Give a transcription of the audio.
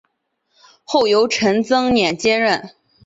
后由陈增稔接任。